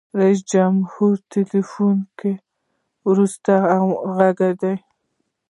جمهور رئیس یې په ټلفون کې ورسره ږغیږي.